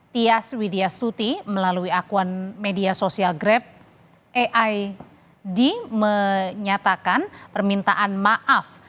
tias widya stuti melalui akun media sosial grab aid menyatakan permintaan maaf